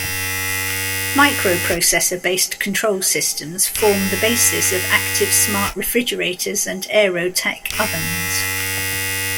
Microprocessor-based control systems form the basis of Active Smart refrigerators and AeroTech ovens.